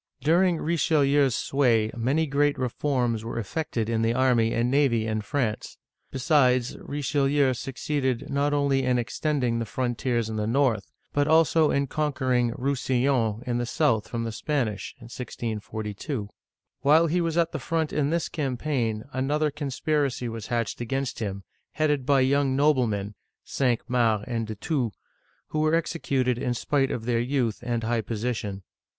During Richelieu's sway many great reforms were effected in the army and navy in France. Besides, Riche Digitized by Google LOUIS XIII. (1610 1O43J 313 lieu succeeded not only in extending the frontiers in the north, but also in conquering Roussillon (roo see y6N') in the south from the Spanish (1642). While he was at the front in this campaign, another conspiracy was hatched against him, headed by young noblemen (Cinq Mars and De Thou), who were executed in spite of their youth and high position.